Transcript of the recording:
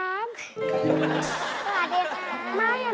สวัสดีครับ